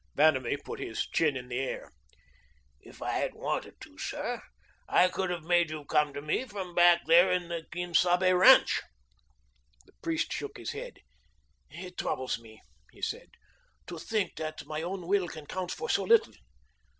Vanamee put his chin in the air. "If I had wanted to, sir, I could have made you come to me from back there in the Quien Sabe ranch." The priest shook his head. "It troubles me," he said, "to think that my own will can count for so little.